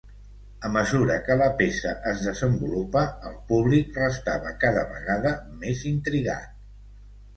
A mesura que la peça es desenvolupa, el públic restava cada vegada més intrigat.